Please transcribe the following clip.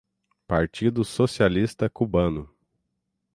Partido Socialista cubano